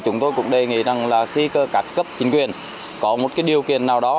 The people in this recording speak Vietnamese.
chúng tôi cũng đề nghị rằng là khi các cấp chính quyền có một cái điều kiện nào đó